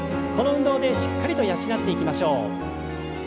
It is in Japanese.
この運動でしっかりと養っていきましょう。